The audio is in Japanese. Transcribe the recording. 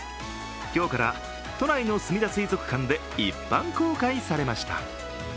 今日から都内のすみだ水族館で一般公開されました。